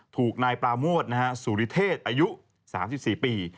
ถูกนายปราโมทสุริเทศอายุ๓๔ปี